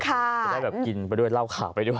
จะได้แบบกินไปด้วยเหล้าขาวไปด้วย